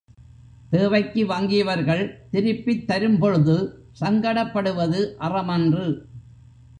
தேவைக்கு வாங்கியவர்கள், திருப்பித் தரும் பொழுது சங்கடப்படுவது அறமன்று.